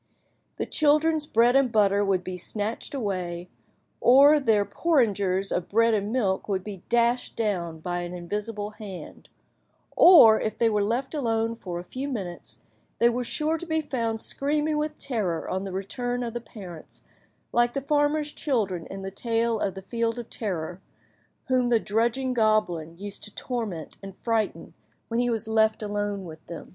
The children's bread and butter would be snatched away, or their porringers of bread and milk would be dashed down by an invisible hand; or if they were left alone for a few minutes, they were sure to be found screaming with terror on the return of the parents, like the farmer's children in the tale of the Field of Terror, whom the "drudging goblin" used to torment and frighten when he was left alone with them.